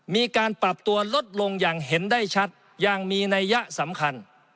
มีการปรับตัวลดลงอย่างเห็นได้ชัดอย่างมีนัยยะสำคัญ